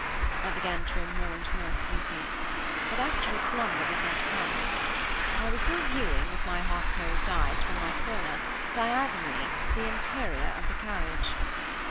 I began to grow more and more sleepy. But actual slumber did not come. I was still viewing, with my half closed eyes, from my corner, diagonally, the interior of the carriage.